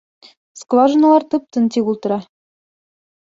Скважиналар тып-тын тик ултыра.